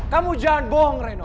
kamu jangan bohong reno